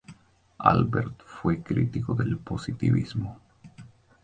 Albert fue un crítico del positivismo.